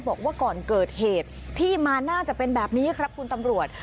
บอกว่าก่อนเกิดเหตุที่มาน่าจะเป็นแบบนี้ครับคุณตำรวจ